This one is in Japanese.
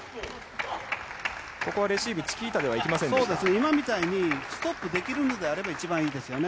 ここはレシーブ、そうです、今みたいにストップできるのであれば、一番いいですよね。